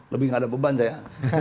lebih nggak ada beban saya